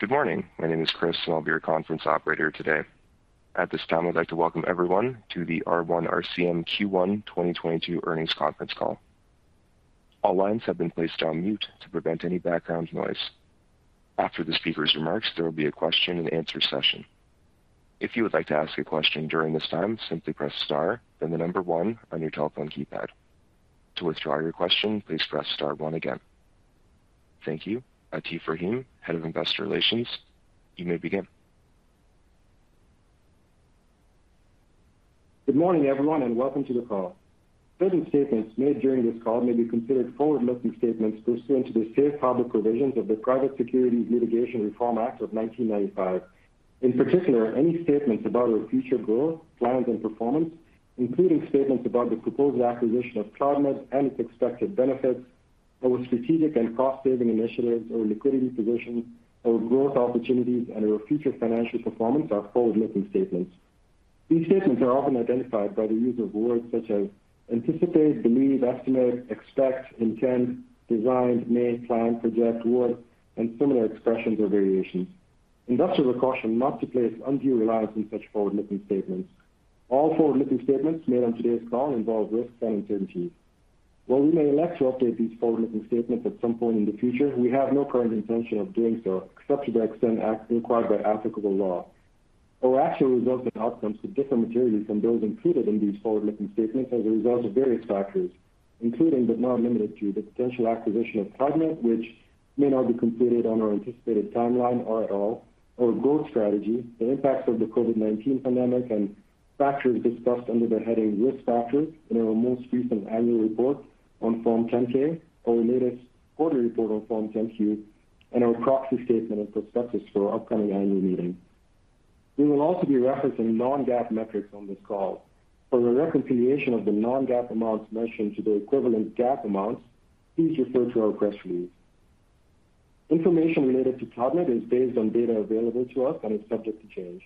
Good morning. My name is Chris, and I'll be your conference operator today. At this time, I'd like to welcome everyone to the R1 RCM Q1 2022 Earnings Conference Call. All lines have been placed on mute to prevent any background noise. After the speaker's remarks, there will be a question and answer session. If you would like to ask a question during this time, simply press star, then the number one on your telephone keypad. To withdraw your question, please press star one again. Thank you. Atif Rahim, Head of Investor Relations, you may begin. Good morning, everyone, and welcome to the call. Certain statements made during this call may be considered forward-looking statements pursuant to the safe harbor provisions of the Private Securities Litigation Reform Act of 1995. In particular, any statements about our future growth, plans, and performance, including statements about the proposed acquisition of Cloudmed and its expected benefits, our strategic and cost-saving initiatives, our liquidity position, our growth opportunities, and our future financial performance are forward-looking statements. These statements are often identified by the use of words such as anticipate, believe, estimate, expect, intend, design, may, plan, project, would, and similar expressions or variations. Investors are cautioned not to place undue reliance on such forward-looking statements. All forward-looking statements made on today's call involve risks and uncertainties. While we may elect to update these forward-looking statements at some point in the future, we have no current intention of doing so, except to the extent required by applicable law. Our actual results and outcomes could differ materially from those included in these forward-looking statements as a result of various factors, including but not limited to the potential acquisition of Cloudmed, which may not be completed on our anticipated timeline or at all, our growth strategy, the impacts of the COVID-19 pandemic and factors discussed under the heading Risk Factors in our most recent annual report on Form 10-K, our latest quarterly report on Form 10-Q, and our proxy statement and prospectus for our upcoming annual meeting. We will also be referencing non-GAAP metrics on this call. For the reconciliation of the non-GAAP amounts mentioned to the equivalent GAAP amounts, please refer to our press release. Information related to Cloudmed is based on data available to us and is subject to change.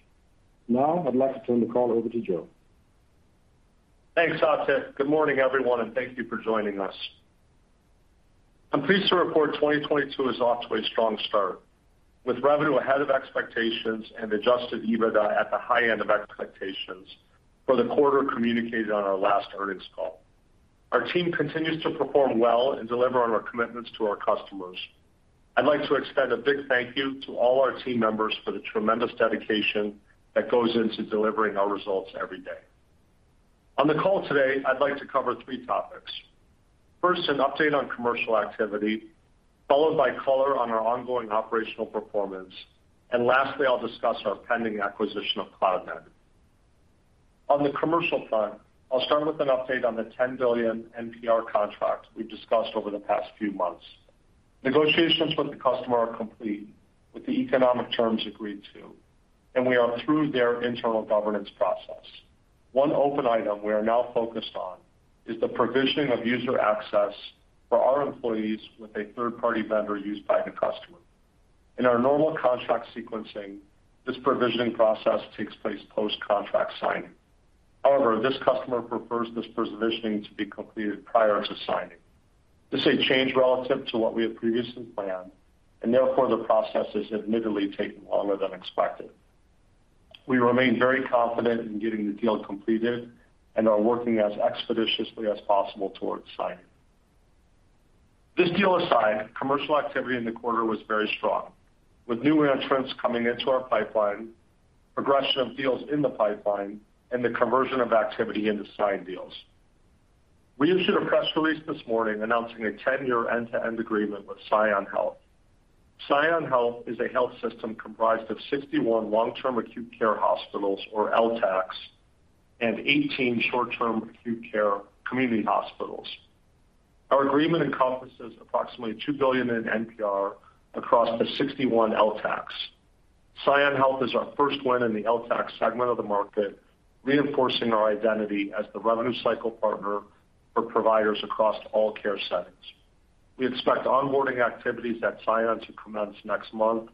Now I'd like to turn the call over to Joe. Thanks, Atif. Good morning, everyone, and thank you for joining us. I'm pleased to report 2022 is off to a strong start, with revenue ahead of expectations and Adjusted EBITDA at the high end of expectations for the quarter communicated on our last earnings call. Our team continues to perform well and deliver on our commitments to our customers. I'd like to extend a big thank you to all our team members for the tremendous dedication that goes into delivering our results every day. On the call today, I'd like to cover three topics. First, an update on commercial activity, followed by color on our ongoing operational performance. Lastly, I'll discuss our pending acquisition of Cloudmed. On the commercial front, I'll start with an update on the 10 billion NPR contract we've discussed over the past few months. Negotiations with the customer are complete, with the economic terms agreed to, and we are through their internal governance process. One open item we are now focused on is the provisioning of user access for our employees with a third-party vendor used by the customer. In our normal contract sequencing, this provisioning process takes place post-contract signing. However, this customer prefers this provisioning to be completed prior to signing. This is a change relative to what we had previously planned, and therefore the process has admittedly taken longer than expected. We remain very confident in getting the deal completed and are working as expeditiously as possible towards signing. This deal aside, commercial activity in the quarter was very strong, with new entrants coming into our pipeline, progression of deals in the pipeline, and the conversion of activity into signed deals. We issued a press release this morning announcing a 10-year end-to-end agreement with ScionHealth. ScionHealth is a health system comprised of 61 long-term acute care hospitals or LTACs and 18 short-term acute care community hospitals. Our agreement encompasses approximately $2 billion in NPR across the 61 LTACs. ScionHealth is our first win in the LTAC segment of the market, reinforcing our identity as the revenue cycle partner for providers across all care settings. We expect onboarding activities at ScionHealth to commence next month,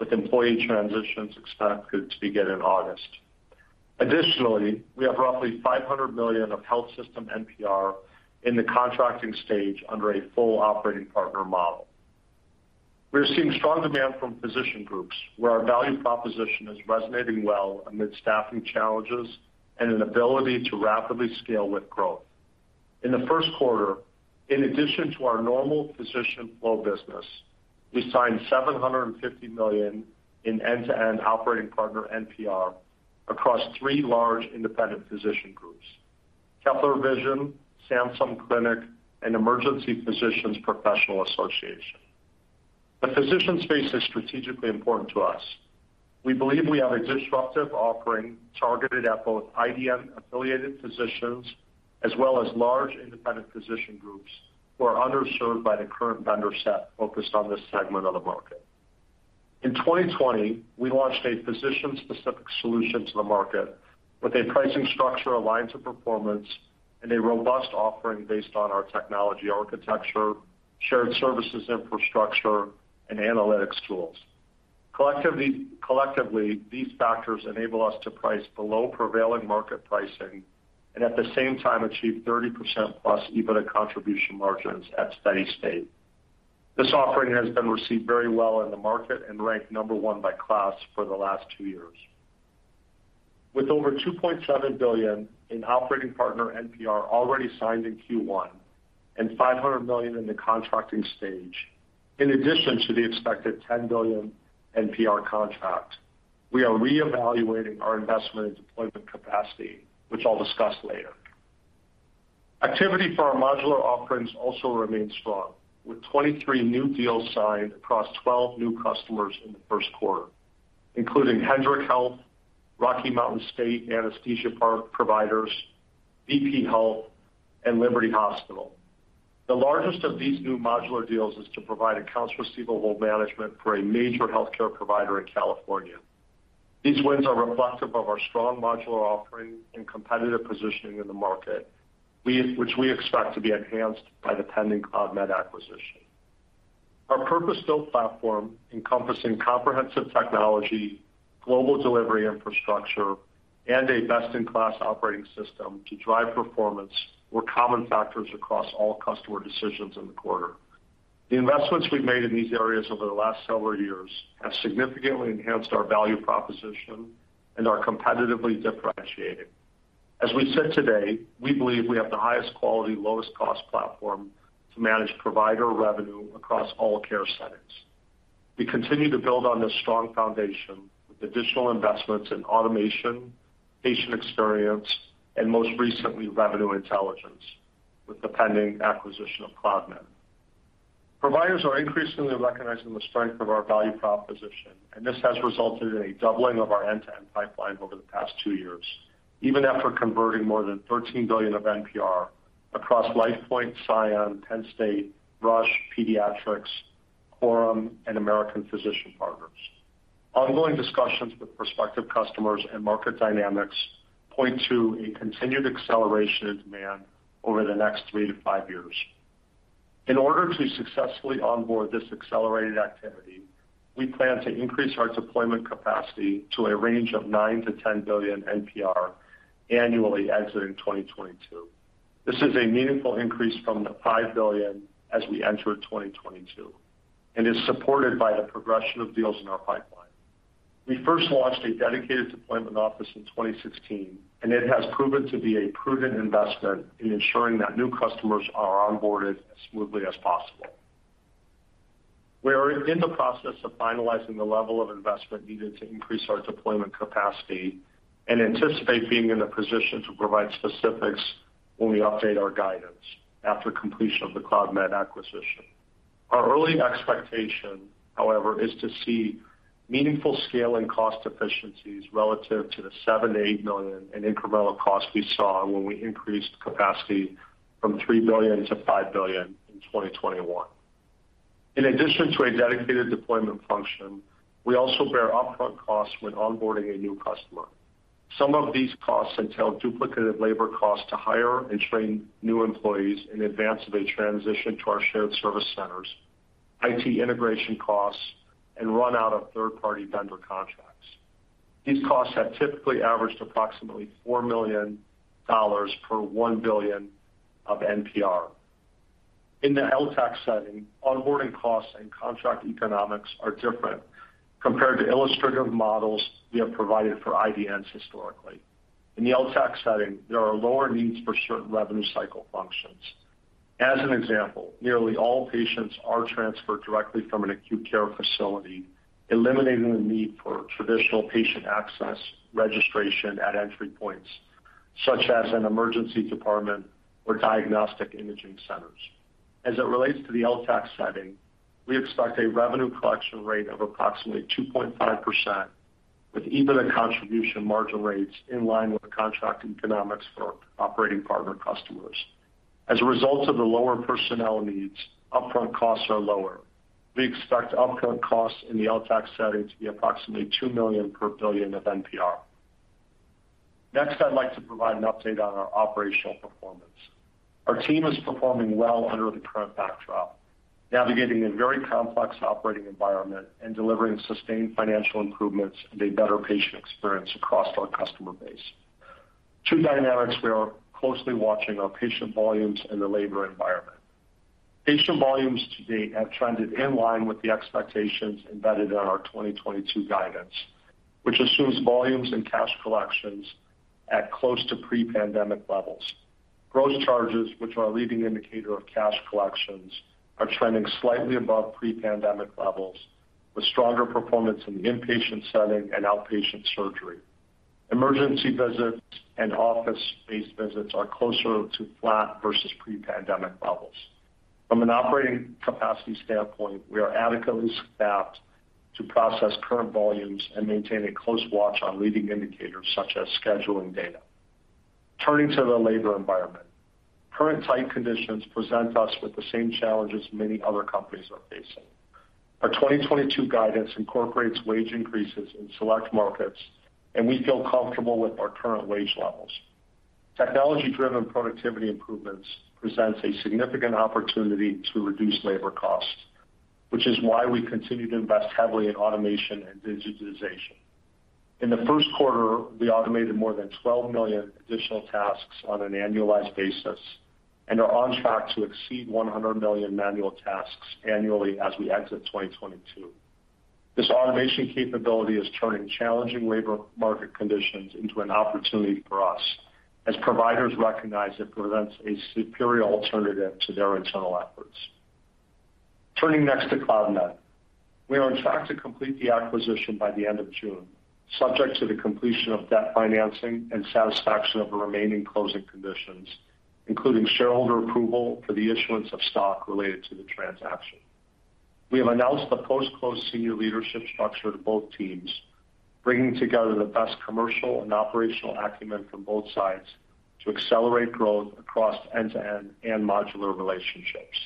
with employee transitions expected to begin in August. Additionally, we have roughly $500 million of health system NPR in the contracting stage under a full operating partner model. We're seeing strong demand from physician groups where our value proposition is resonating well amid staffing challenges and an ability to rapidly scale with growth. In the first quarter, in addition to our normal physician flow business, we signed $750 million in end-to-end operating partner NPR across three large independent physician groups, Kelsey-Seybold Clinic, Sansum Clinic, and Emergency Physicians Professional Association. The physician space is strategically important to us. We believe we have a disruptive offering targeted at both IDN-affiliated physicians as well as large independent physician groups who are underserved by the current vendor set focused on this segment of the market. In 2020, we launched a physician-specific solution to the market with a pricing structure aligned to performance and a robust offering based on our technology architecture, shared services infrastructure, and analytics tools. Collectively, these factors enable us to price below prevailing market pricing. At the same time, achieve 30%+ EBITDA contribution margins at steady state. This offering has been received very well in the market and ranked number one by KLAS for the last two years. With over $2.7 billion in operating partner NPR already signed in Q1 and $500 million in the contracting stage, in addition to the expected $10 billion NPR contract, we are reevaluating our investment in deployment capacity, which I'll discuss later. Activity for our modular offerings also remains strong, with 23 new deals signed across 12 new customers in the first quarter, including Hendrick Health, Rocky Mountain State Anesthesia Providers, Valley Presbyterian Hospital, and Liberty Hospital. The largest of these new modular deals is to provide accounts receivable management for a major healthcare provider in California. These wins are reflective of our strong modular offering and competitive positioning in the market, which we expect to be enhanced by the pending Cloudmed acquisition. Our purpose-built platform, encompassing comprehensive technology, global delivery infrastructure, and a best-in-class operating system to drive performance, were common factors across all customer decisions in the quarter. The investments we've made in these areas over the last several years have significantly enhanced our value proposition and are competitively differentiating. As we sit today, we believe we have the highest quality, lowest cost platform to manage provider revenue across all care settings. We continue to build on this strong foundation with additional investments in automation, patient experience, and most recently, revenue intelligence, with the pending acquisition of Cloudmed. Providers are increasingly recognizing the strength of our value proposition, and this has resulted in a doubling of our end-to-end pipeline over the past two years, even after converting more than $13 billion of NPR across LifePoint Health, ScionHealth, Penn State Health, Rush University System for Health, Pediatrix, Quorum Health, and American Physician Partners. Ongoing discussions with prospective customers and market dynamics point to a continued acceleration in demand over the next three to five years. In order to successfully onboard this accelerated activity, we plan to increase our deployment capacity to a range of 9-10 billion NPR annually exiting 2022. This is a meaningful increase from the five billion as we enter 2022 and is supported by the progression of deals in our pipeline. We first launched a dedicated deployment office in 2016, and it has proven to be a prudent investment in ensuring that new customers are onboarded as smoothly as possible. We are in the process of finalizing the level of investment needed to increase our deployment capacity and anticipate being in a position to provide specifics when we update our guidance after completion of the Cloudmed acquisition. Our early expectation, however, is to see meaningful scale and cost efficiencies relative to the $7 million-$8 million in incremental cost we saw when we increased capacity from $3 billion-$5 billion in 2021. In addition to a dedicated deployment function, we also bear upfront costs when onboarding a new customer. Some of these costs entail duplicative labor costs to hire and train new employees in advance of a transition to our shared service centers, IT integration costs, and run out of third-party vendor contracts. These costs have typically averaged approximately $4 million per $1 billion of NPR. In the LTAC setting, onboarding costs and contract economics are different compared to illustrative models we have provided for IDNs historically. In the LTAC setting, there are lower needs for certain revenue cycle functions. As an example, nearly all patients are transferred directly from an acute care facility, eliminating the need for traditional patient access registration at entry points, such as an emergency department or diagnostic imaging centers. As it relates to the LTAC setting, we expect a revenue collection rate of approximately 2.5%, with EBITDA contribution margin rates in line with contract economics for operating partner customers. As a result of the lower personnel needs, upfront costs are lower. We expect upfront costs in the LTAC setting to be approximately $2 million per billion of NPR. Next, I'd like to provide an update on our operational performance. Our team is performing well under the current backdrop, navigating a very complex operating environment and delivering sustained financial improvements and a better patient experience across our customer base. Two dynamics we are closely watching are patient volumes and the labor environment. Patient volumes to date have trended in line with the expectations embedded in our 2022 guidance, which assumes volumes and cash collections at close to pre-pandemic levels. Gross charges, which are a leading indicator of cash collections, are trending slightly above pre-pandemic levels, with stronger performance in the inpatient setting and outpatient surgery. Emergency visits and office-based visits are closer to flat versus pre-pandemic levels. From an operating capacity standpoint, we are adequately staffed to process current volumes and maintain a close watch on leading indicators such as scheduling data. Turning to the labor environment. Current tight conditions present us with the same challenges many other companies are facing. Our 2022 guidance incorporates wage increases in select markets, and we feel comfortable with our current wage levels. Technology-driven productivity improvements presents a significant opportunity to reduce labor costs. Which is why we continue to invest heavily in automation and digitization. In the first quarter, we automated more than 12 million additional tasks on an annualized basis and are on track to exceed 100 million manual tasks annually as we exit 2022. This automation capability is turning challenging labor market conditions into an opportunity for us as providers recognize it presents a superior alternative to their internal efforts. Turning next to Cloudmed. We are on track to complete the acquisition by the end of June, subject to the completion of debt financing and satisfaction of the remaining closing conditions, including shareholder approval for the issuance of stock related to the transaction. We have announced the post-close senior leadership structure to both teams, bringing together the best commercial and operational acumen from both sides to accelerate growth across end-to-end and modular relationships.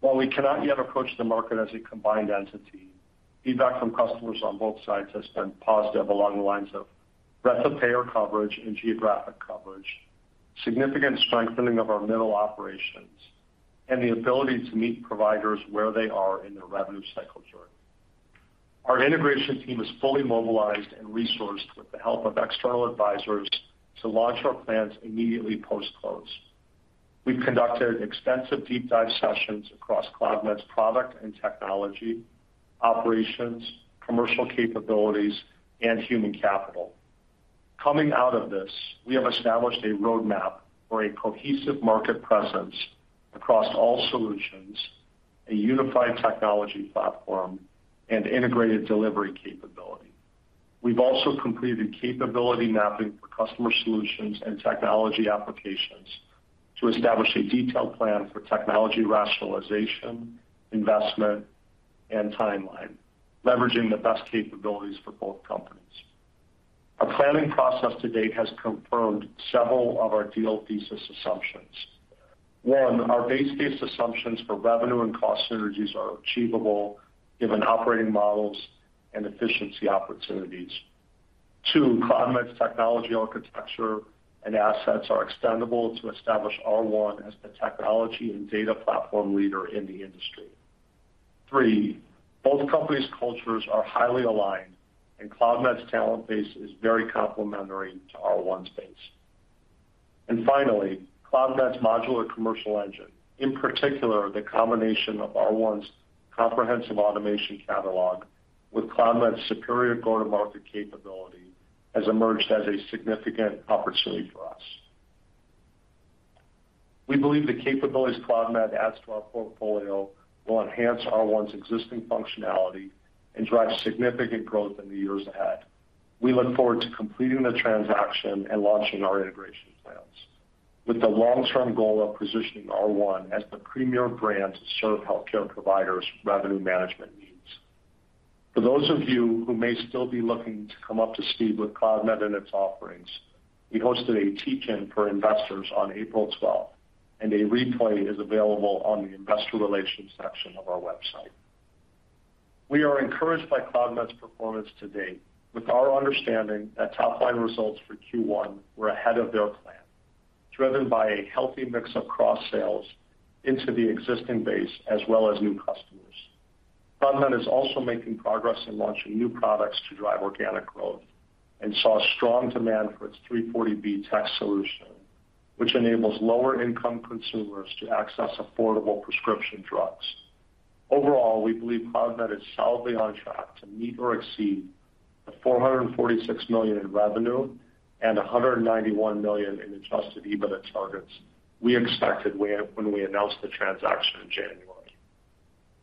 While we cannot yet approach the market as a combined entity, feedback from customers on both sides has been positive along the lines of breadth of payer coverage and geographic coverage, significant strengthening of our middle operations, and the ability to meet providers where they are in their revenue cycle journey. Our integration team is fully mobilized and resourced with the help of external advisors to launch our plans immediately post-close. We've conducted extensive deep dive sessions across Cloudmed's product and technology, operations, commercial capabilities, and human capital. Coming out of this, we have established a roadmap for a cohesive market presence across all solutions, a unified technology platform, and integrated delivery capability. We've also completed capability mapping for customer solutions and technology applications to establish a detailed plan for technology rationalization, investment, and timeline, leveraging the best capabilities for both companies. Our planning process to date has confirmed several of our deal thesis assumptions. One, our base case assumptions for revenue and cost synergies are achievable given operating models and efficiency opportunities. Two, Cloudmed's technology architecture and assets are extendable to establish R1 as the technology and data platform leader in the industry. Three, both companies' cultures are highly aligned, and Cloudmed's talent base is very complementary to R1's base. Finally, Cloudmed's modular commercial engine, in particular, the combination of R1's comprehensive automation catalog with Cloudmed's superior go-to-market capability, has emerged as a significant opportunity for us. We believe the capabilities Cloudmed adds to our portfolio will enhance R1's existing functionality and drive significant growth in the years ahead. We look forward to completing the transaction and launching our integration plans with the long-term goal of positioning R1 as the premier brand to serve healthcare providers' revenue management needs. For those of you who may still be looking to come up to speed with Cloudmed and its offerings, we hosted a teach-in for investors on April 12th, and a replay is available on the investor relations section of our website. We are encouraged by Cloudmed's performance to date with our understanding that top-line results for Q1 were ahead of their plan, driven by a healthy mix of cross-sales into the existing base as well as new customers. Cloudmed is also making progress in launching new products to drive organic growth and saw strong demand for its 340B tech solution, which enables lower-income consumers to access affordable prescription drugs. Overall, we believe Cloudmed is solidly on track to meet or exceed the $446 million in revenue and $191 million in Adjusted EBITDA targets we expected when we announced the transaction in January.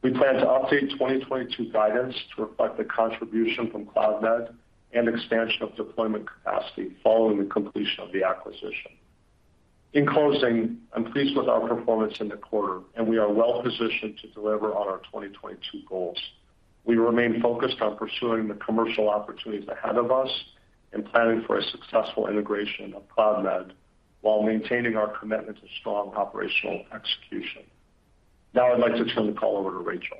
We plan to update 2022 guidance to reflect the contribution from Cloudmed and expansion of deployment capacity following the completion of the acquisition. In closing, I'm pleased with our performance in the quarter, and we are well positioned to deliver on our 2022 goals. We remain focused on pursuing the commercial opportunities ahead of us and planning for a successful integration of Cloudmed while maintaining our commitment to strong operational execution. Now, I'd like to turn the call over to Rachel.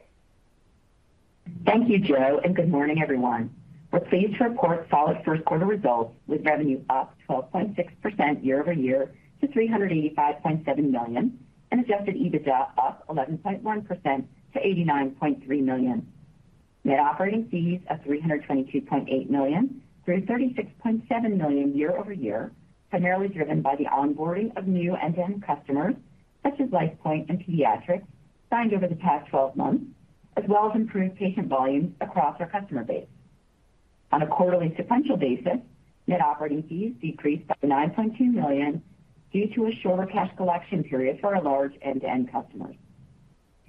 Thank you, Joe, and good morning, everyone. We're pleased to report solid first quarter results with revenue up 12.6% year-over-year to $385.7 million and Adjusted EBITDA up 11.1% to $89.3 million. Net operating fees of $322.8 million grew $36.7 million year-over-year, primarily driven by the onboarding of new end-to-end customers such as LifePoint and Pediatrix signed over the past 12 months, as well as improved patient volumes across our customer base. On a quarterly sequential basis, net operating fees decreased by $9.2 million due to a shorter cash collection period for a large end-to-end customer.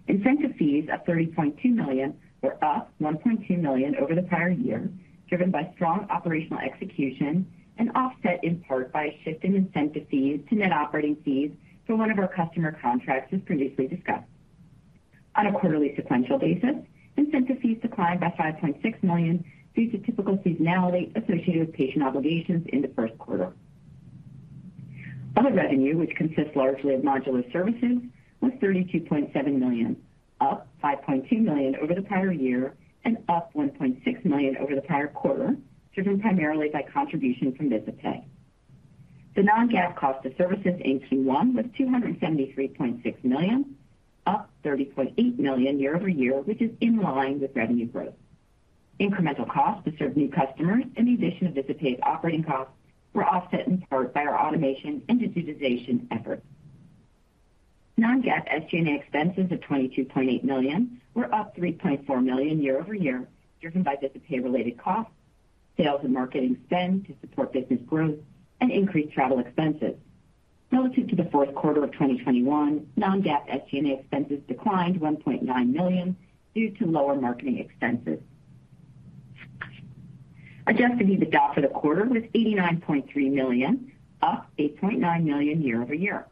Incentive fees of $30.2 million were up $1.2 million over the prior year, driven by strong operational execution and offset in part by a shift in incentive fees to net operating fees for one of our customer contracts as previously discussed. On a quarterly sequential basis, incentive fees declined by $5.6 million due to typical seasonality associated with patient obligations in the first quarter. Other revenue, which consists largely of modular services, was $32.7 million, up $5.2 million over the prior year and up $1.6 million over the prior quarter, driven primarily by contribution from VisitPay. The non-GAAP cost of services in Q1 was $273.6 million, up $30.8 million year-over-year, which is in line with revenue growth. Incremental costs to serve new customers and the addition of VisitPay operating costs were offset in part by our automation and digitization efforts. non-GAAP SG&A expenses of $22.8 million were up $3.4 million year-over-year, driven by VisitPay related costs, sales and marketing spend to support business growth, and increased travel expenses. Relative to the fourth quarter of 2021, non-GAAP SG&A expenses declined $1.9 million due to lower marketing expenses. Adjusted EBITDA for the quarter was $89.3 million, up $8.9 million year-over-year.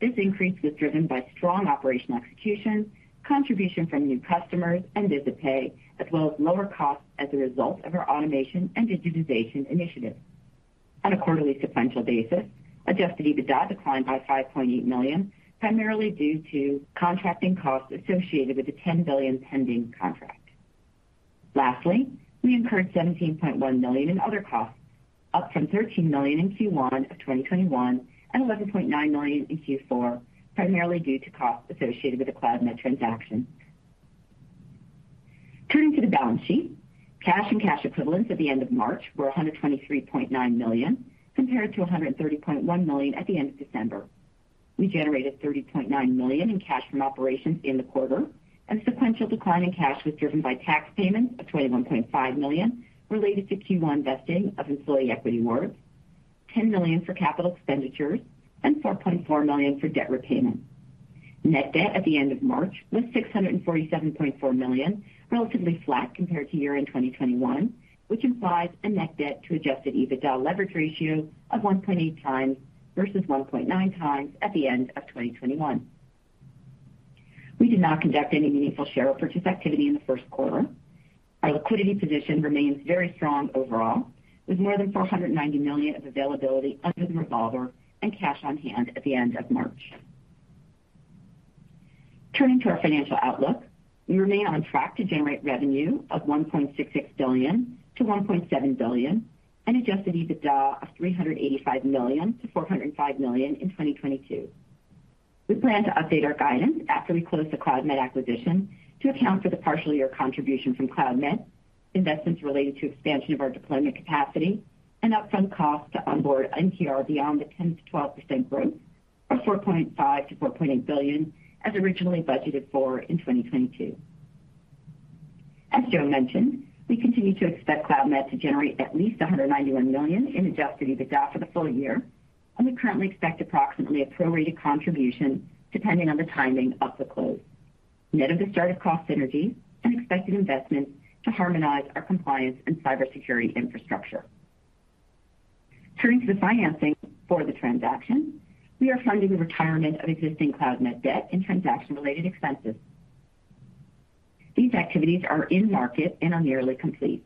This increase was driven by strong operational execution, contribution from new customers, and VisitPay, as well as lower costs as a result of our automation and digitization initiatives. On a quarterly sequential basis, Adjusted EBITDA declined by $5.8 million, primarily due to contracting costs associated with the $10 billion pending contract. Lastly, we incurred $17.1 million in other costs, up from $13 million in Q1 of 2021 and $11.9 million in Q4, primarily due to costs associated with the Cloudmed transaction. Turning to the balance sheet. Cash and cash equivalents at the end of March were $123.9 million, compared to $130.1 million at the end of December. We generated $30.9 million in cash from operations in the quarter, and sequential decline in cash was driven by tax payments of $21.5 million related to Q1 vesting of employee equity awards, $10 million for capital expenditures, and $4.4 million for debt repayment. Net debt at the end of March was $647.4 million, relatively flat compared to year-end 2021, which implies a net debt to Adjusted EBITDA leverage ratio of 1.8x versus 1.9x at the end of 2021. We did not conduct any meaningful share repurchase activity in the first quarter. Our liquidity position remains very strong overall, with more than $490 million of availability under the revolver and cash on hand at the end of March. Turning to our financial outlook. We remain on track to generate revenue of $1.66 billion-$1.7 billion and Adjusted EBITDA of $385 million-$405 million in 2022. We plan to update our guidance after we close the Cloudmed acquisition to account for the partial year contribution from Cloudmed, investments related to expansion of our deployment capacity, and upfront costs to onboard NPR beyond the 10%-12% growth of $4.5 billion-$4.8 billion as originally budgeted for in 2022. As Joe mentioned, we continue to expect Cloudmed to generate at least $191 million in Adjusted EBITDA for the full year, and we currently expect approximately a prorated contribution depending on the timing of the close. Net of the startup cost synergies and expected investments to harmonize our compliance and cybersecurity infrastructure. Turning to the financing for the transaction, we are funding the retirement of existing Cloudmed debt and transaction-related expenses. These activities are in market and are nearly complete.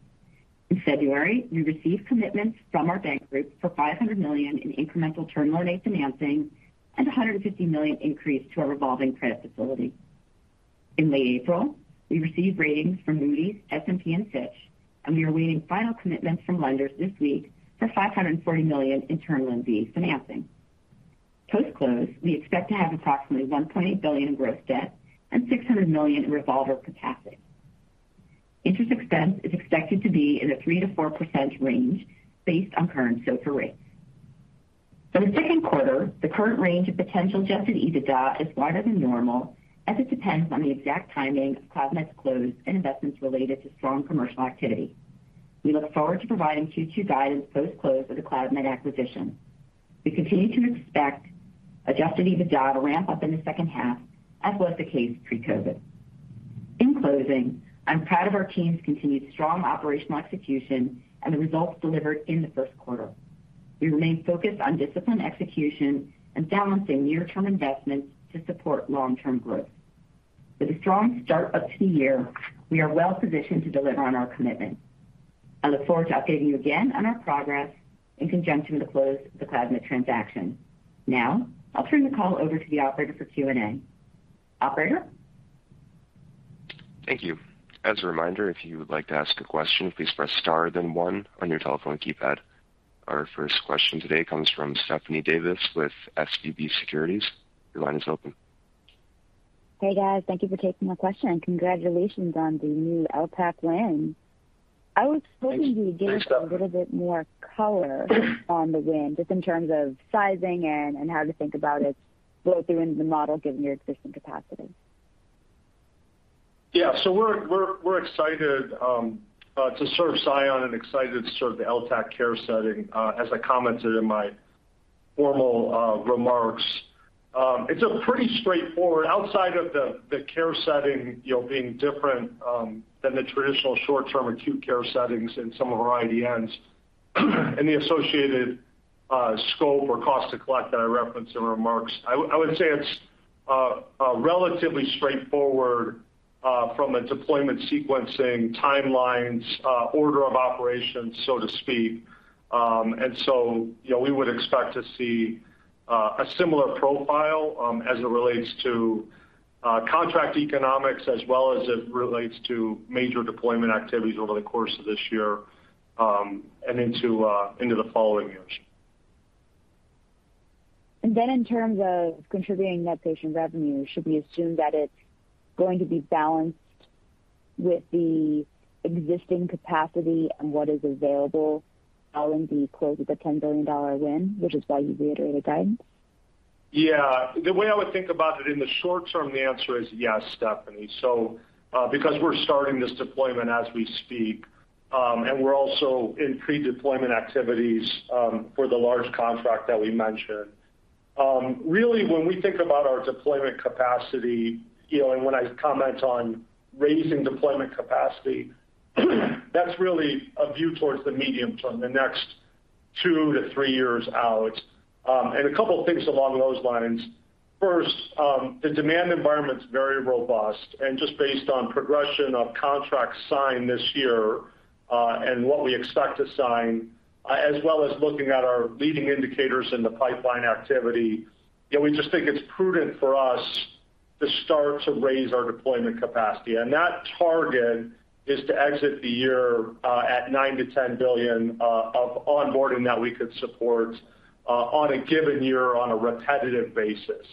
In February, we received commitments from our bank group for $500 million in incremental term loan A financing and $150 million increase to our revolving credit facility. In late April, we received ratings from Moody's, S&P, and Fitch, and we are awaiting final commitments from lenders this week for $540 million in term loan B financing. Post-close, we expect to have approximately $1.8 billion in gross debt and $600 million in revolver capacity. Interest expense is expected to be in the 3%-4% range based on current SOFR rates. For the second quarter, the current range of potential Adjusted EBITDA is wider than normal as it depends on the exact timing of Cloudmed's close and investments related to strong commercial activity. We look forward to providing Q2 guidance post-close of the Cloudmed acquisition. We continue to expect Adjusted EBITDA to ramp up in the second half, as was the case pre-COVID. In closing, I'm proud of our team's continued strong operational execution and the results delivered in the first quarter. We remain focused on disciplined execution and balancing near-term investments to support long-term growth. With a strong start up to the year, we are well positioned to deliver on our commitment. I look forward to updating you again on our progress in conjunction with the close of the Cloudmed transaction. Now, I'll turn the call over to the operator for Q&A. Operator? Thank you. As a reminder, if you would like to ask a question, please press star then one on your telephone keypad. Our first question today comes from Stephanie Davis with SVB Securities. Your line is open. Hey, guys. Thank you for taking my question, and congratulations on the new LTAC win. I was hoping- Thanks. Thanks, Stephanie, You would give us a little bit more color on the win, just in terms of sizing and how to think about it flow through into the model given your existing capacity. Yeah. We're excited to serve ScionHealth and excited to serve the LTAC care setting, as I commented in my formal remarks. It's a pretty straightforward outside of the care setting, you know, being different than the traditional short-term acute care settings in some of our IDNs, and the associated scope or cost to collect that I referenced in remarks. I would say it's relatively straightforward from a deployment sequencing timelines, order of operations, so to speak. You know, we would expect to see a similar profile as it relates to contract economics as well as it relates to major deployment activities over the course of this year and into the following years. In terms of contributing net patient revenue, should we assume that it's going to be balanced with the existing capacity and what is available, LNB closes a $10 billion-win, which is why you reiterate the guidance? Yeah. The way I would think about it in the short term, the answer is yes, Stephanie. Because we're starting this deployment as we speak, and we're also in pre-deployment activities for the large contract that we mentioned. Really when we think about our deployment capacity, you know, and when I comment on raising deployment capacity, that's really a view towards the medium term, the next two to three years out. A couple of things along those lines. First, the demand environment's very robust, and just based on progression of contracts signed this year, and what we expect to sign, as well as looking at our leading indicators in the pipeline activity, you know, we just think it's prudent for us to start to raise our deployment capacity. That target is to exit the year at $9 billion-$10 billion of onboarding that we could support on a given year on a repetitive basis.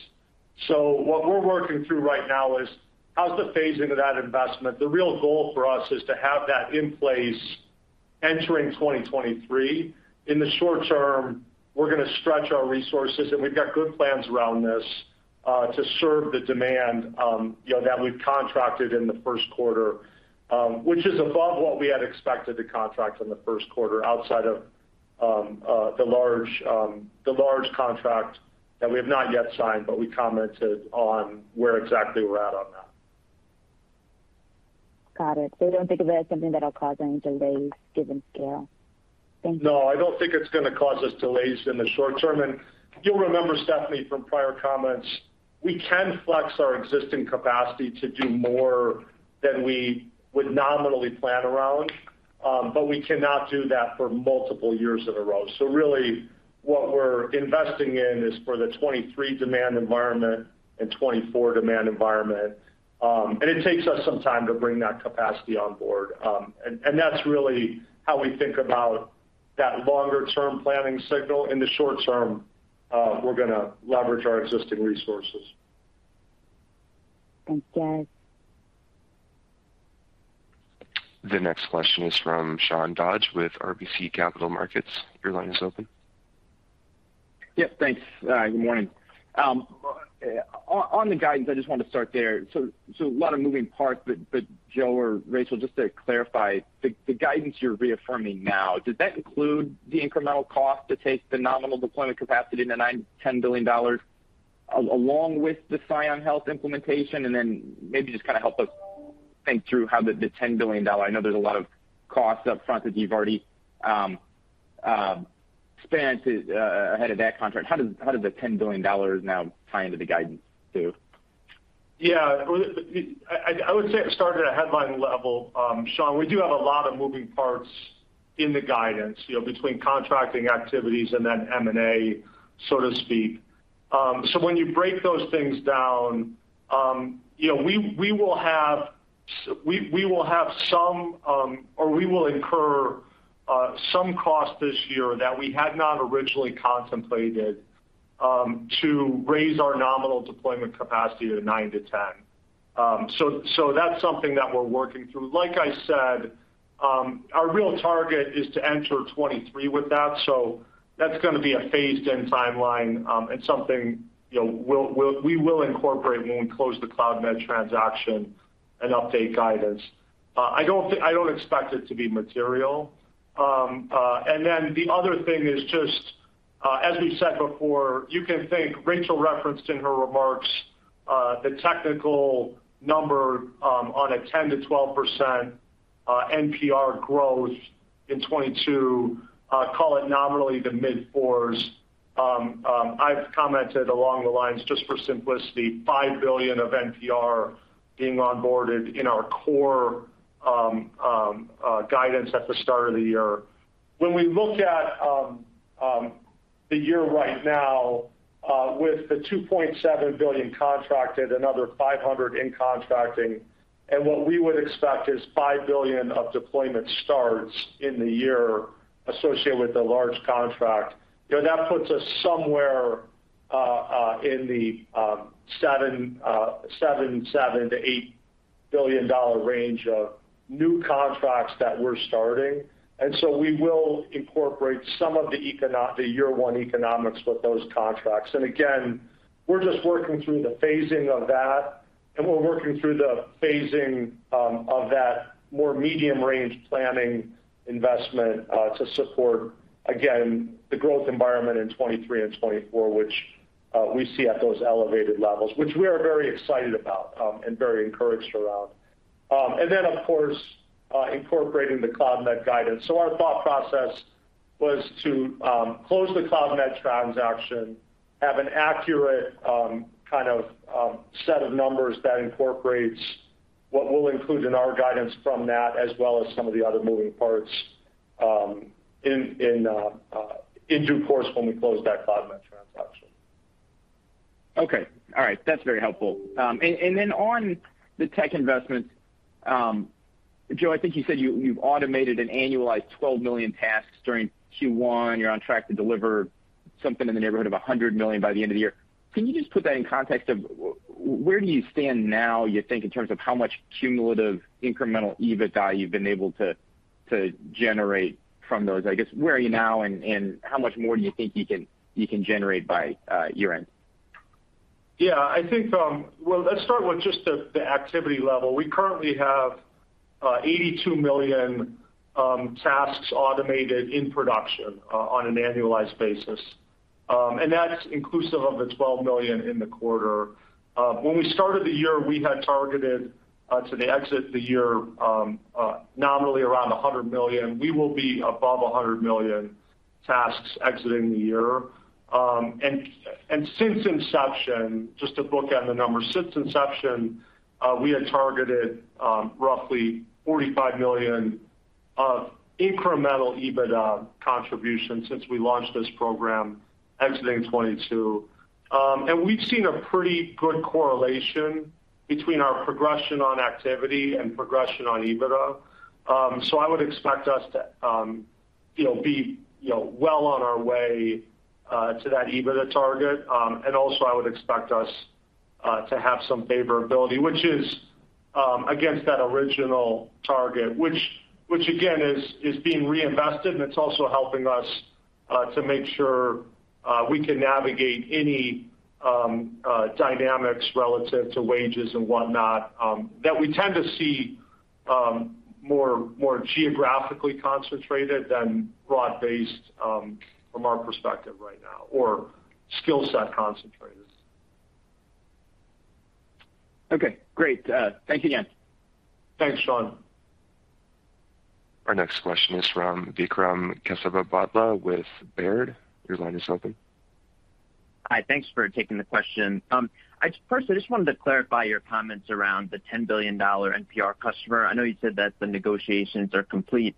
What we're working through right now is how's the phasing of that investment? The real goal for us is to have that in place entering 2023. In the short term, we're gonna stretch our resources, and we've got good plans around this to serve the demand, you know, that we've contracted in the first quarter, which is above what we had expected to contract in the first quarter outside of the large contract that we have not yet signed, but we commented on where exactly we're at on that. Got it. You don't think of that as something that'll cause any delays given scale? Thank you. No, I don't think it's gonna cause us delays in the short term. You'll remember, Stephanie, from prior comments, we can flex our existing capacity to do more than we would nominally plan around, but we cannot do that for multiple years in a row. Really what we're investing in is for the 2023 demand environment and 2024 demand environment. It takes us some time to bring that capacity on board. That's really how we think about that longer term planning signal. In the short term, we're gonna leverage our existing resources. Thanks, guys. The next question is from Sean Dodge with RBC Capital Markets. Your line is open. Yeah, thanks. Good morning. On the guidance, I just wanted to start there. A lot of moving parts, but Joe or Rachel, just to clarify, the guidance you're reaffirming now, does that include the incremental cost to take the nominal deployment capacity to $9 billion-$10 billion along with the ScionHealth implementation? Then maybe just kind of help us think through how the $10 billion, I know there's a lot of costs up front that you've already spent ahead of that contract, ties into the guidance now too? Yeah. I would say starting at a headline level, Sean, we do have a lot of moving parts in the guidance, you know, between contracting activities and then M&A, so to speak. So when you break those things down, you know, we will incur some costs this year that we had not originally contemplated, to raise our nominal deployment capacity to $9 billion-$10 billion. So that's something that we're working through. Like I said, our real target is to enter 2023 with that, so that's gonna be a phased-in timeline, and something, you know, we will incorporate when we close the Cloudmed transaction and update guidance. I don't expect it to be material. The other thing is just, as we said before, you can think Rachel referenced in her remarks, the technical number on a 10%-12% NPR growth in 2022, call it nominally the mid-fours. I've commented along the lines, just for simplicity, $5 billion of NPR being onboarded in our core guidance at the start of the year. When we look at the year right now, with the $2.7 billion contracted, another $500 million in contracting, and what we would expect is $5 billion of deployment starts in the year associated with the large contract. You know, that puts us somewhere in the $7 billion-$8 billion range of new contracts that we're starting. We will incorporate some of the year one economics with those contracts. Again, we're just working through the phasing of that more medium range planning investment to support again the growth environment in 2023 and 2024, which we see at those elevated levels, which we are very excited about and very encouraged around. Then of course incorporating the Cloudmed guidance. Our thought process was to close the Cloudmed transaction, have an accurate kind of set of numbers that incorporates what we'll include in our guidance from that as well as some of the other moving parts in due course when we close that Cloudmed transaction. Okay. All right. That's very helpful. Then on the tech investments, Joe, I think you said you've automated an annualized 12 million tasks during Q1. You're on track to deliver something in the neighborhood of 100 million by the end of the year. Can you just put that in context of where do you stand now, you think, in terms of how much cumulative incremental EBITDA you've been able to generate from those? I guess, where are you now, and how much more do you think you can generate by year-end? Yeah, I think, well, let's start with just the activity level. We currently have 82 million tasks automated in production on an annualized basis. That's inclusive of the 12 million in the quarter. When we started the year, we had targeted to the exit of the year nominally around 100 million. We will be above 100 million tasks exiting the year. And since inception, just to bookend the numbers, since inception, we had targeted roughly $45 million of incremental EBITDA contribution since we launched this program exiting 2022. We've seen a pretty good correlation between our progression on activity and progression on EBITDA. I would expect us to you know be you know well on our way to that EBITDA target. I would expect us to have some favorability, which is against that original target, which again is being reinvested, and it's also helping us to make sure we can navigate any dynamics relative to wages and whatnot, that we tend to see more geographically concentrated than broad-based, from our perspective right now, or skill set concentrated. Okay, great. Thank you again. Thanks, Sean. Our next question is from Vikram Kesavabhotla with Baird. Your line is open. Hi. Thanks for taking the question. First, I just wanted to clarify your comments around the $10 billion NPR customer. I know you said that the negotiations are complete.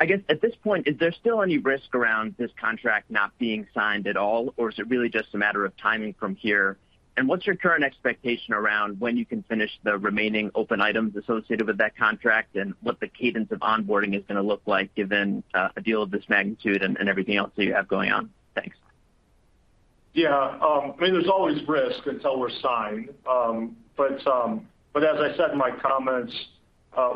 I guess at this point, is there still any risk around this contract not being signed at all, or is it really just a matter of timing from here? What's your current expectation around when you can finish the remaining open items associated with that contract, and what the cadence of onboarding is gonna look like given a deal of this magnitude and everything else that you have going on? Thanks. Yeah. I mean, there's always risk until we're signed. As I said in my comments,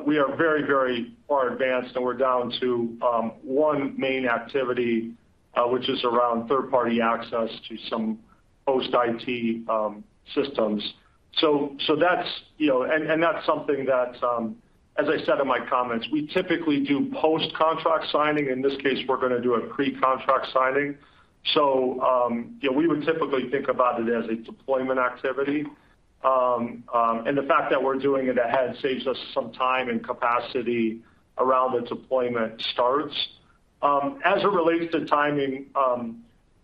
we are very, very far advanced, and we're down to one main activity, which is around third-party access to some post-IT systems. That's, you know. That's something that, as I said in my comments, we typically do post-contract signing. In this case, we're gonna do a pre-contract signing. You know, we would typically think about it as a deployment activity. The fact that we're doing it ahead saves us some time and capacity around the deployment starts. As it relates to timing,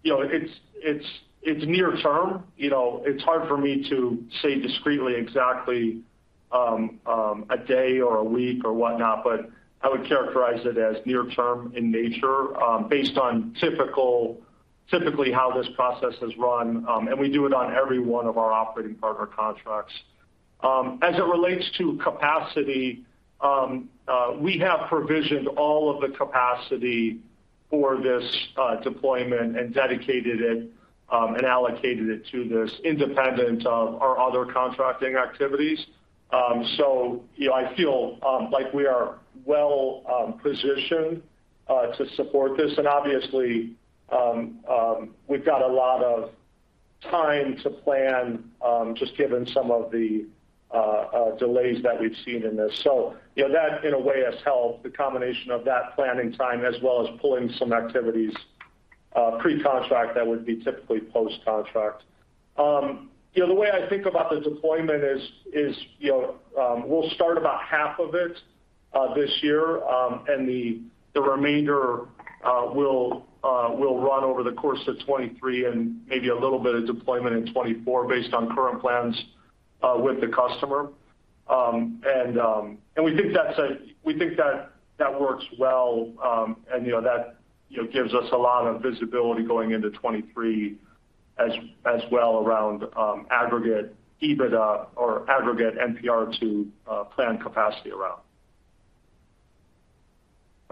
you know, it's near term. You know, it's hard for me to say discreetly exactly a day or a week or whatnot, but I would characterize it as near term in nature, based on typically how this process is run. We do it on every one of our operating partner contracts. As it relates to capacity, we have provisioned all of the capacity for this deployment and dedicated it and allocated it to this independent of our other contracting activities. So, you know, I feel like we are well positioned to support this. Obviously, we've got a lot of time to plan, just given some of the delays that we've seen in this. You know, that in a way has helped the combination of that planning time as well as pulling some activities pre-contract that would be typically post-contract. You know, the way I think about the deployment is, you know, we'll start about half of it this year. The remainder will run over the course of 2023 and maybe a little bit of deployment in 2024 based on current plans with the customer. We think that that works well, and, you know, that, you know, gives us a lot of visibility going into 2023 as well around aggregate EBITDA or aggregate NPR to plan capacity around.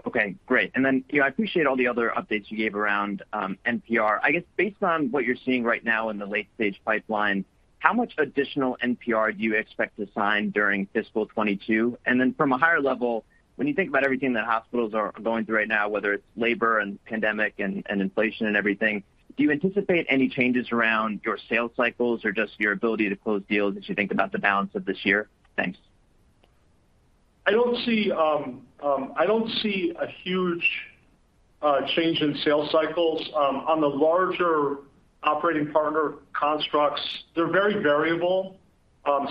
Okay, great. You know, I appreciate all the other updates you gave around NPR. I guess based on what you're seeing right now in the late-stage pipeline, how much additional NPR do you expect to sign during fiscal 2022? From a higher level, when you think about everything that hospitals are going through right now, whether it's labor and pandemic and inflation and everything, do you anticipate any changes around your sales cycles or just your ability to close deals as you think about the balance of this year? Thanks. I don't see a huge change in sales cycles. On the larger operating partner constructs, they're very variable.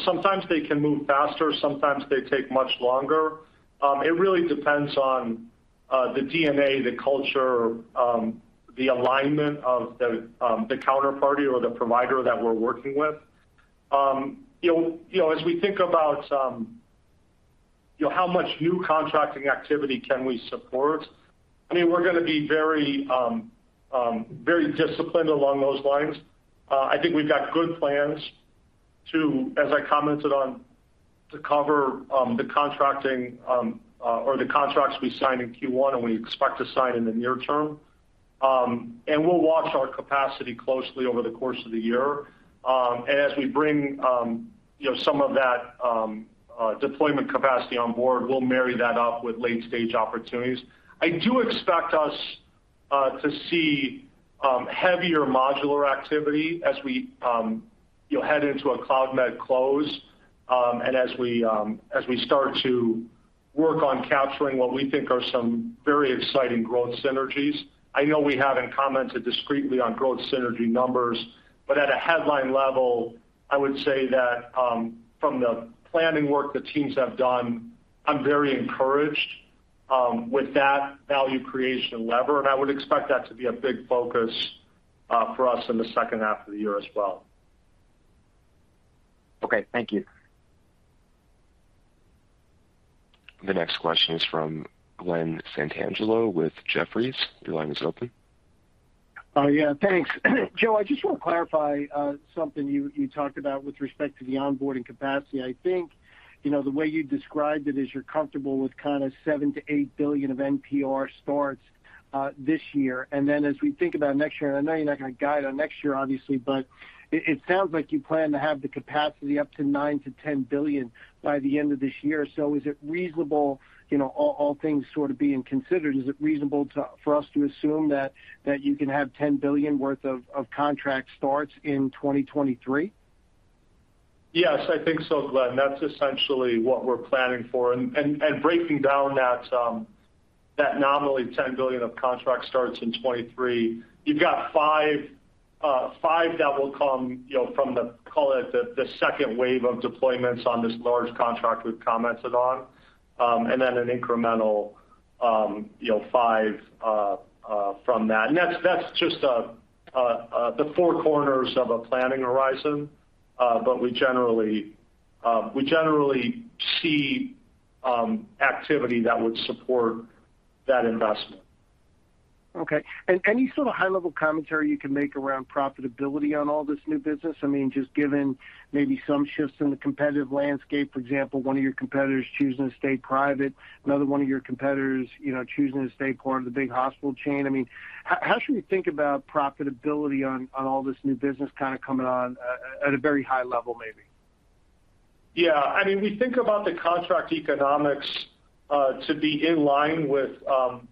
Sometimes they can move faster, sometimes they take much longer. It really depends on the DNA, the culture, the alignment of the counterparty or the provider that we're working with. You know, as we think about you know, how much new contracting activity can we support, I mean, we're gonna be very disciplined along those lines. I think we've got good plans to, as I commented on, to cover the contracting or the contracts we signed in Q1, and we expect to sign in the near term. We'll watch our capacity closely over the course of the year. As we bring, you know, some of that, deployment capacity on board, we'll marry that up with late-stage opportunities. I do expect us to see heavier modular activity as we, you know, head into a Cloudmed close, and as we start to work on capturing what we think are some very exciting growth synergies. I know we haven't commented discretely on growth synergy numbers, but at a headline level, I would say that, from the planning work the teams have done, I'm very encouraged with that value creation lever, and I would expect that to be a big focus for us in the second half of the year as well. Okay. Thank you. The next question is from Glen Santangelo with Jefferies. Your line is open. Oh, yeah. Thanks. Joe, I just wanna clarify something you talked about with respect to the onboarding capacity. I think, you know, the way you described it is you're comfortable with kinda $7 billion-$8 billion of NPR starts this year. Then as we think about next year, and I know you're not gonna guide on next year, obviously, but it sounds like you plan to have the capacity up to $9 billion-$10 billion by the end of this year. Is it reasonable, you know, all things sort of being considered, is it reasonable for us to assume that you can have $10 billion worth of contract starts in 2023? Yes, I think so, Glen. That's essentially what we're planning for. Breaking down that nominally $10 billion of contract starts in 2023, you've got $5 billion that will come, you know, from call it the second wave of deployments on this large contract we've commented on, and then an incremental, you know, $5 billion from that. That's just the four corners of a planning horizon, but we generally see activity that would support that investment. Okay. Any sort of high-level commentary you can make around profitability on all this new business? I mean, just given maybe some shifts in the competitive landscape. For example, one of your competitors choosing to stay private, another one of your competitors, you know, choosing to stay part of the big hospital chain. I mean, how should we think about profitability on all this new business kinda coming on at a very high level maybe? Yeah. I mean, we think about the contract economics to be in line with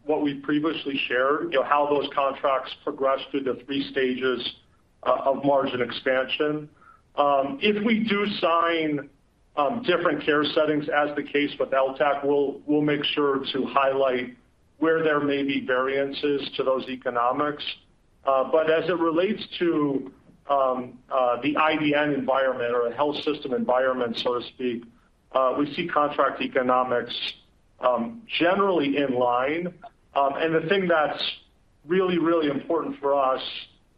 what we've previously shared, you know, how those contracts progress through the three stages of margin expansion. If we do sign different care settings, as the case with LTAC, we'll make sure to highlight where there may be variances to those economics. But as it relates to the IDN environment or a health system environment, so to speak, we see contract economics generally in line. The thing that's really, really important for us,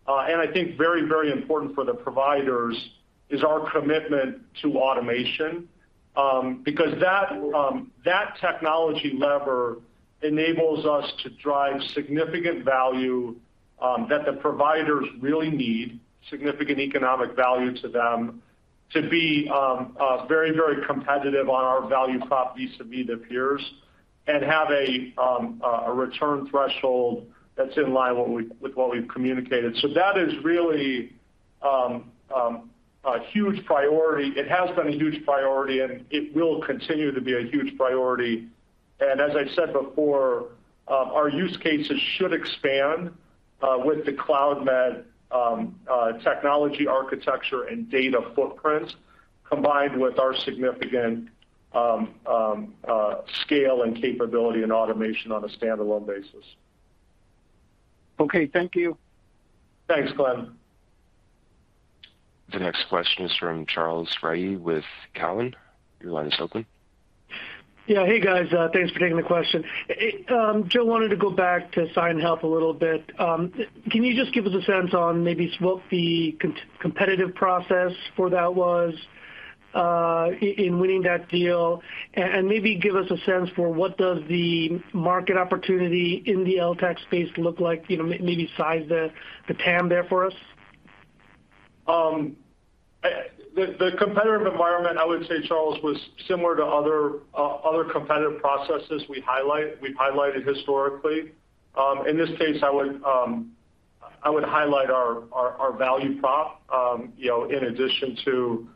and I think very, very important for the providers, is our commitment to automation because that technology lever enables us to drive significant value that the providers really need, significant economic value to them to be very, very competitive on our value prop vis-à-vis the peers and have a return threshold that's in line with what we've communicated. That is really a huge priority. It has been a huge priority, and it will continue to be a huge priority. As I said before, our use cases should expand with the Cloudmed technology architecture and data footprint combined with our significant scale and capability and automation on a standalone basis. Okay. Thank you. Thanks, Glen. The next question is from Charles Rhyee with TD Cowen. Your line is open. Yeah. Hey, guys. Thanks for taking the question. Joe, wanted to go back to ScionHealth a little bit. Can you just give us a sense on maybe what the competitive process for that was, in winning that deal? Maybe give us a sense for what does the market opportunity in the LTAC space look like, you know, maybe size the TAM there for us? The competitive environment, I would say, Charles, was similar to other competitive processes we've highlighted historically. In this case, I would highlight our value prop, you know, in addition to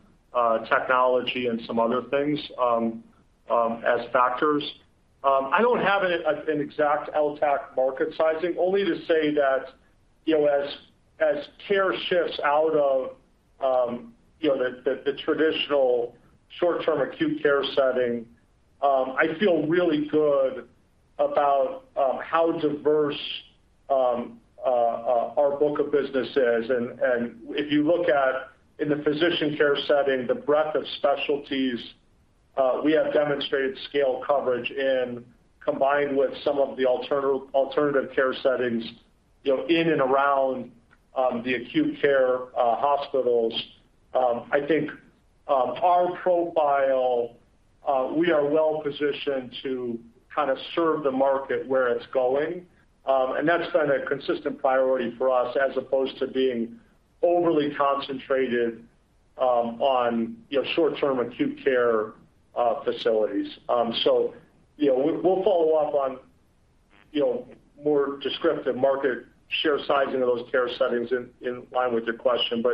technology and some other things, as factors. I don't have an exact LTAC market sizing, only to say that, you know, as care shifts out of the traditional short-term acute care setting, I feel really good about how diverse our book of business is. If you look at in the physician care setting, the breadth of specialties we have demonstrated scale coverage and combined with some of the alternative care settings, you know, in and around the acute care hospitals. I think our profile, we are well positioned to kind of serve the market where it's going. That's been a consistent priority for us as opposed to being overly concentrated on, you know, short-term acute care facilities. You know, we'll follow up on, you know, more descriptive market share size into those care settings in line with your question.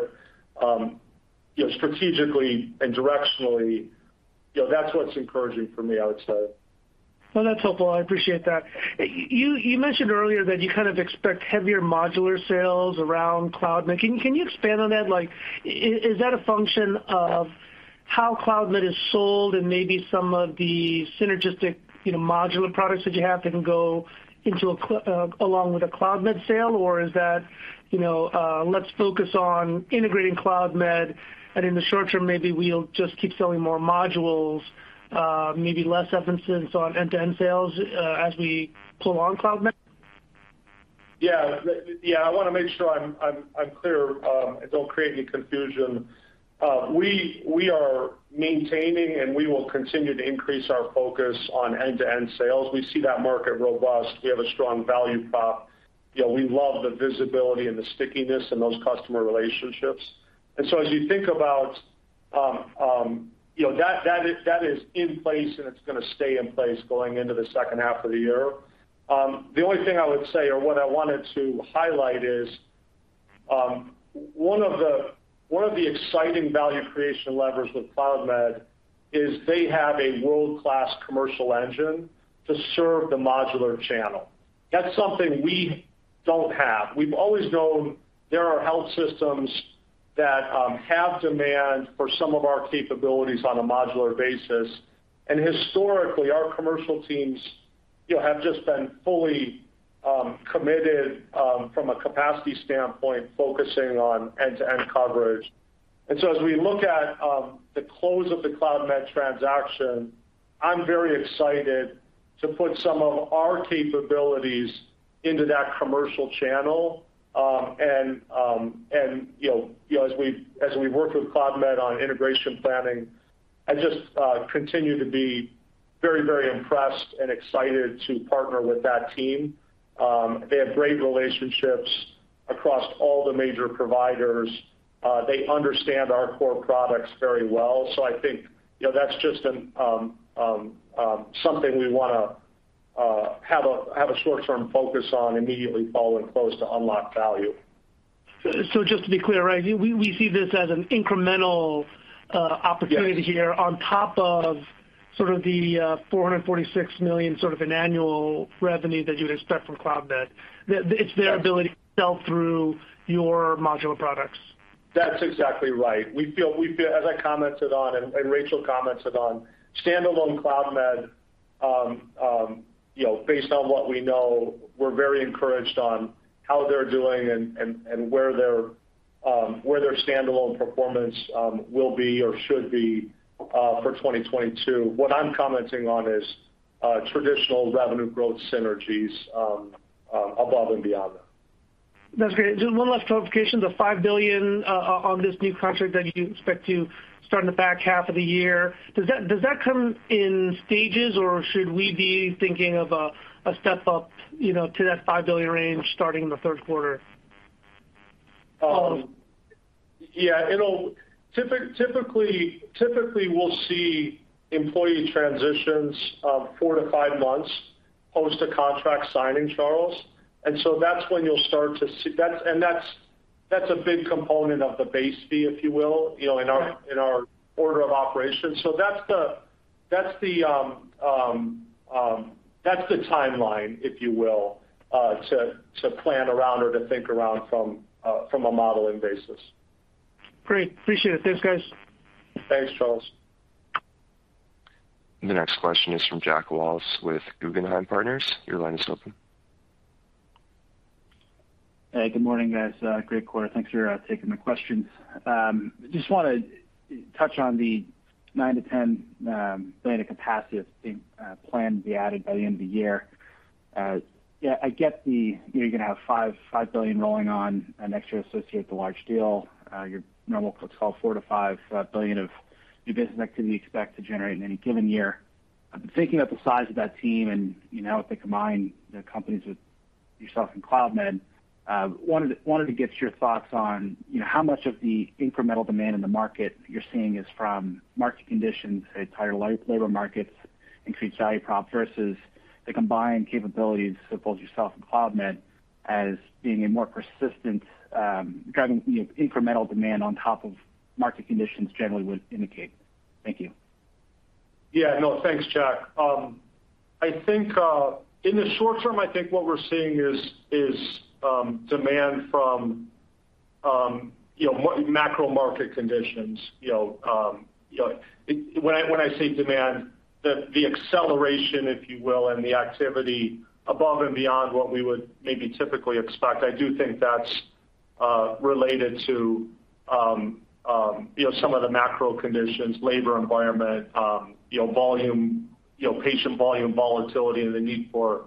You know, strategically and directionally, you know, that's what's encouraging for me, I would say. Well, that's helpful. I appreciate that. You mentioned earlier that you kind of expect heavier modular sales around Cloudmed. Can you expand on that? Like, is that a function of how Cloudmed is sold and maybe some of the synergistic, you know, modular products that you have that can go along with a Cloudmed sale? Or is that, you know, let's focus on integrating Cloudmed, and in the short term, maybe we'll just keep selling more modules, maybe less emphasis on end-to-end sales, as we pull on Cloudmed? Yeah, I wanna make sure I'm clear and don't create any confusion. We are maintaining, and we will continue to increase our focus on end-to-end sales. We see that market robust. We have a strong value prop. You know, we love the visibility and the stickiness in those customer relationships. As you think about, you know, that is in place, and it's gonna stay in place going into the second half of the year. The only thing I would say or what I wanted to highlight is, one of the exciting value creation levers with Cloudmed is they have a world-class commercial engine to serve the modular channel. That's something we don't have. We've always known there are health systems that have demand for some of our capabilities on a modular basis, and historically, our commercial teams, you know, have just been fully committed from a capacity standpoint, focusing on end-to-end coverage. As we look at the close of the Cloudmed transaction, I'm very excited to put some of our capabilities into that commercial channel. You know, as we work with Cloudmed on integration planning, I just continue to be very, very impressed and excited to partner with that team. They have great relationships across all the major providers. They understand our core products very well. I think, you know, that's just something we wanna have a short-term focus on immediately following close to unlock value. Just to be clear, right, we see this as an incremental opportunity. Yes. Here on top of sort of the $446 million, sort of an annual revenue that you'd expect from Cloudmed. It's their ability to sell through your modular products. That's exactly right. We feel, as I commented on and Rachel commented on, standalone Cloudmed, you know, based on what we know, we're very encouraged on how they're doing and where their standalone performance will be or should be for 2022. What I'm commenting on is traditional revenue growth synergies above and beyond that. That's great. Just one last clarification. The $5 billion on this new contract that you expect to start in the back half of the year, does that come in stages, or should we be thinking of a step up, you know, to that $5 billion range starting in the third quarter? Yeah. Typically, we'll see employee transitions, four to five months post a contract signing, Charles. That's when you'll start to see. That's a big component of the base fee, if you will, you know, in our order of operations. That's the timeline, if you will, to plan around or to think around from a modeling basis. Great. Appreciate it. Thanks, guys. Thanks, Charles. The next question is from Jack Wallace with Guggenheim Securities. Your line is open. Hey, good morning, guys. Great quarter. Thanks for taking the questions. Just wanna touch on the $9 billion-$10 billion planned capacity to be added by the end of the year. Yeah, I get the, you know, you're gonna have $5 billion rolling on and extra associated with the large deal, your normal, let's call it $4 billion-$5 billion of new business activity you expect to generate in any given year. I've been thinking about the size of that team and, you know, if they combine the companies with yourselves and Cloudmed. Wanted to get your thoughts on, you know, how much of the incremental demand in the market you're seeing is from market conditions, say, tighter labor markets, increased value prop, versus the combined capabilities of both yourself and Cloudmed as being a more persistent driving, you know, incremental demand on top of market conditions generally would indicate. Thank you. Yeah. No, thanks, Jack. I think in the short term, I think what we're seeing is demand from, you know, macro market conditions. You know, when I say demand, the acceleration, if you will, and the activity above and beyond what we would maybe typically expect, I do think that's related to, you know, some of the macro conditions, labor environment, you know, volume, you know, patient volume volatility and the need for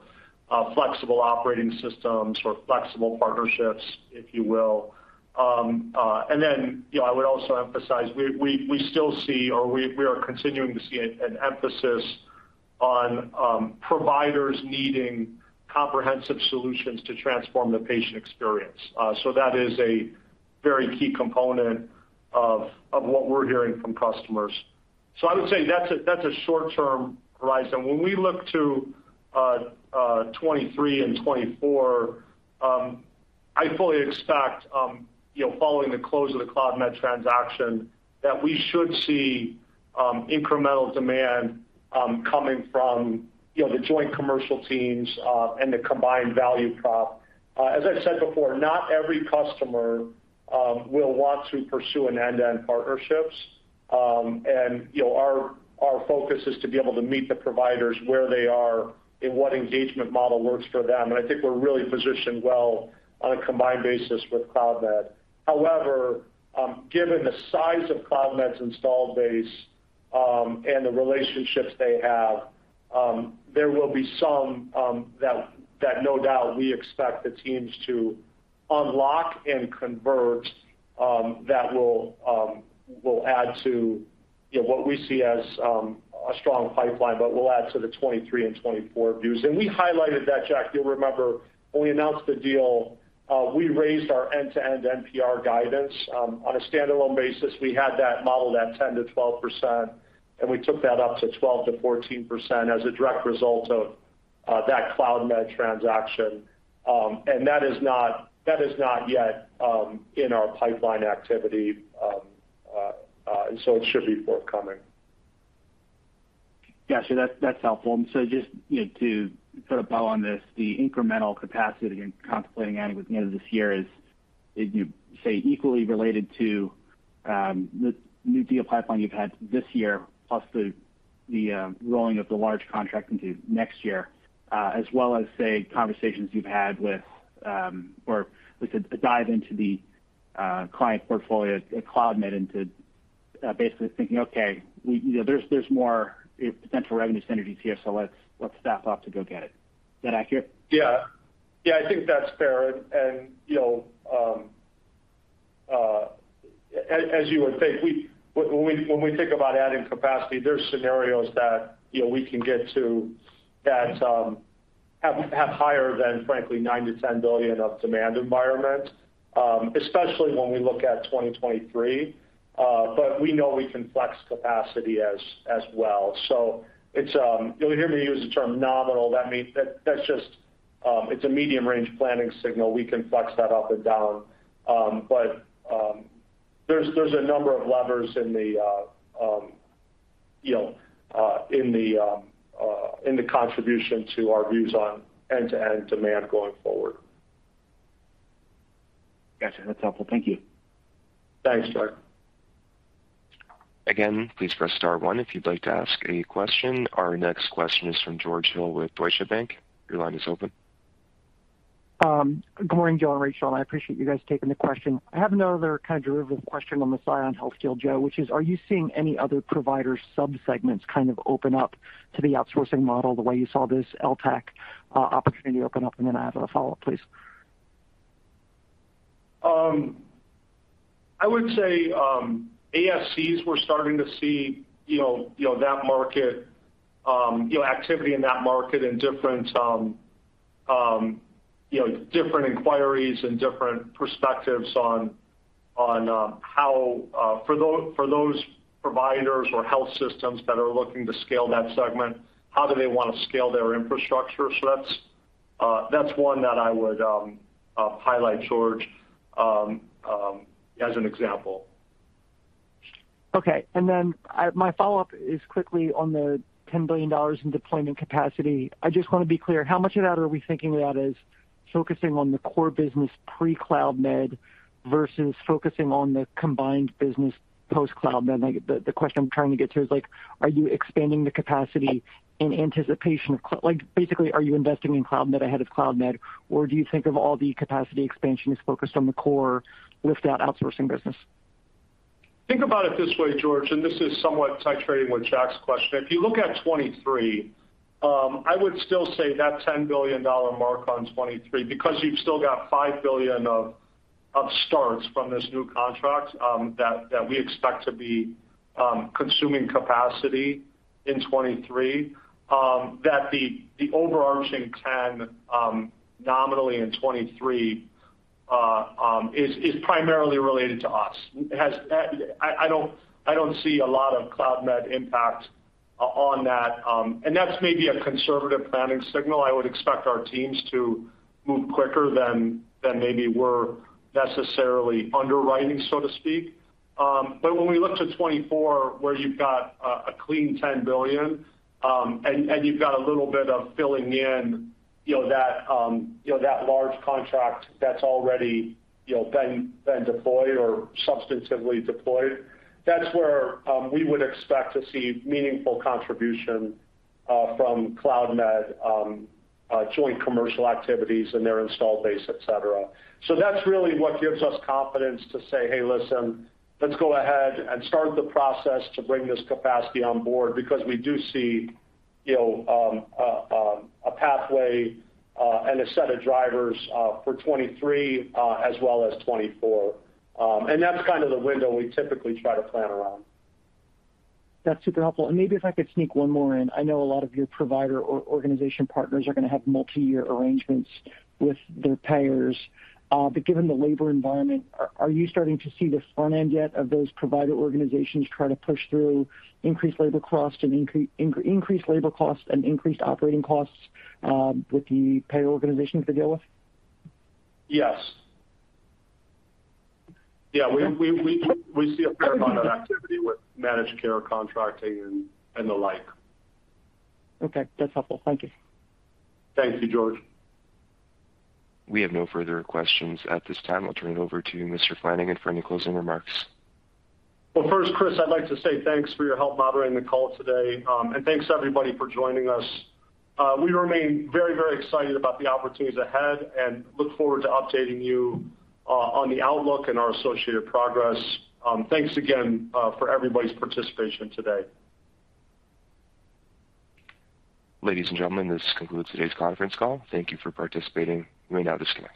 flexible operating systems or flexible partnerships, if you will. You know, I would also emphasize we still see or we are continuing to see an emphasis on providers needing comprehensive solutions to transform the patient experience. That is a very key component of what we're hearing from customers. I would say that's a short-term horizon. When we look to 2023 and 2024, I fully expect, you know, following the close of the Cloudmed transaction, that we should see incremental demand coming from, you know, the joint commercial teams and the combined value prop. As I said before, not every customer will want to pursue an end-to-end partnerships. You know, our focus is to be able to meet the providers where they are and what engagement model works for them. I think we're really positioned well on a combined basis with Cloudmed. However, given the size of Cloudmed's installed base, and the relationships they have, there will be some that no doubt we expect the teams to unlock and convert, that will add to, you know, what we see as a strong pipeline, but will add to the 2023 and 2024 views. We highlighted that, Jack. You'll remember when we announced the deal, we raised our end-to-end NPR guidance. On a standalone basis, we had that modeled at 10%-12%, and we took that up to 12%-14% as a direct result of that Cloudmed transaction. That is not yet in our pipeline activity. So it should be forthcoming. Yeah. That's helpful. Just, you know, to sort of follow on this, the incremental capacity and contemplating adding at the end of this year is, you say, equally related to the new deal pipeline you've had this year, plus the rolling of the large contract into next year, as well as, say, conversations you've had with or with a dive into the client portfolio at Cloudmed into basically thinking, "Okay, you know, there's more potential revenue synergies here, so let's staff up to go get it." Is that accurate? Yeah. Yeah, I think that's fair. You know, as you would think, when we think about adding capacity, there's scenarios that, you know, we can get to that have higher than frankly $9 billion-$10 billion of demand environment, especially when we look at 2023. But we know we can flex capacity as well. You'll hear me use the term nominal. That means that that's just, it's a medium range planning signal. We can flex that up and down. There's a number of levers in the contribution to our views on end-to-end demand going forward. Gotcha. That's helpful. Thank you. Thanks, Jack. Again, please press star one if you'd like to ask any question. Our next question is from George Hill with Deutsche Bank. Your line is open. Good morning, Joe and Rachel. I appreciate you guys taking the question. I have another kind of derivative question on the ScionHealth deal, Joe, which is, are you seeing any other provider subsegments kind of open up to the outsourcing model the way you saw this LTAC opportunity open up? I have a follow-up, please. I would say, ASCs, we're starting to see, you know, that market activity in that market and different inquiries and different perspectives on how for those providers or health systems that are looking to scale that segment, how do they wanna scale their infrastructure? That's one that I would highlight, George, as an example. Okay. My follow-up is quickly on the $10 billion in deployment capacity. I just wanna be clear, how much of that are we thinking that is focusing on the core business pre-Cloudmed versus focusing on the combined business post-Cloudmed? Like, the question I'm trying to get to is, like, are you expanding the capacity in anticipation of Like, basically, are you investing in Cloudmed ahead of Cloudmed, or do you think of all the capacity expansion is focused on the core without outsourcing business? Think about it this way, George. This is somewhat reiterating what Jack's question. If you look at 2023, I would still say that $10 billion mark on 2023, because you've still got $5 billion of starts from this new contract that we expect to be consuming capacity in 2023, that the overarching $10 nominally in 2023 is primarily related to us. I don't see a lot of Cloudmed impact on that. That's maybe a conservative planning signal. I would expect our teams to move quicker than maybe we're necessarily underwriting, so to speak. When we look to 2024, where you've got a clean $10 billion, and you've got a little bit of filling in, you know, that large contract that's already, you know, been deployed or substantively deployed, that's where we would expect to see meaningful contribution from Cloudmed, joint commercial activities and their installed base, et cetera. That's really what gives us confidence to say, "Hey, listen. Let's go ahead and start the process to bring this capacity on board," because we do see, you know, a pathway and a set of drivers for 2023 as well as 2024. That's kind of the window we typically try to plan around. That's super helpful. Maybe if I could sneak one more in. I know a lot of your provider or organization partners are gonna have multi-year arrangements with their payers. Given the labor environment, are you starting to see the front end yet of those provider organizations try to push through increased labor cost and increased labor costs and increased operating costs, with the payer organizations they deal with? Yes. Yeah. We see a fair amount of activity with managed care contracting and the like. Okay. That's helpful. Thank you. Thank you, George. We have no further questions at this time. I'll turn it over to Mr. Flanagan for any closing remarks. Well, first, Chris, I'd like to say thanks for your help moderating the call today. Thanks everybody for joining us. We remain very, very excited about the opportunities ahead and look forward to updating you on the outlook and our associated progress. Thanks again for everybody's participation today. Ladies and gentlemen, this concludes today's conference call. Thank you for participating. You may now disconnect.